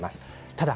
ただ